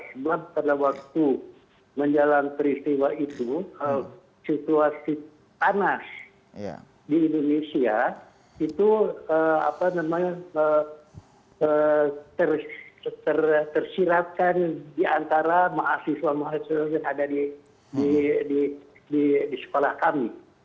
sebab pada waktu menjalankan peristiwa itu situasi panas di indonesia itu apa namanya tersiratkan di antara mahasiswa mahasiswa yang ada di sekolah kami